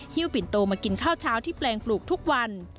ฮิวปิ่นโตมากินข้าวเช้าที่แปลงปลูกทุกวัน